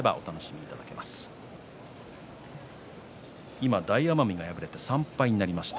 今、大奄美が敗れて３敗になりました。